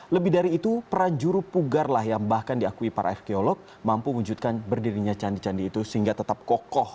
lebih dari itu prajuru pugar lah yang bahkan diakui para epiolog mampu wujudkan berdirinya candi candi itu sehingga tetap kokoh